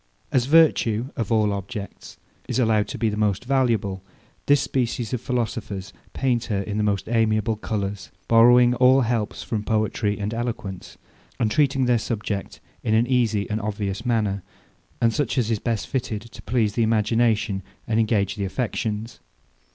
As virtue, of all objects, is allowed to be the most valuable, this species of philosophers paint her in the most amiable colours; borrowing all helps from poetry and eloquence, and treating their subject in an easy and obvious manner, and such as is best fitted to please the imagination, and engage the affections.